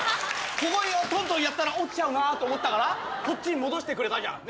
ここでとんとんやったら落ちちゃうなと思ったからこっちに戻してくれたじゃん。